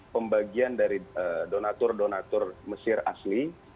pembagian dari donatur donatur mesir asli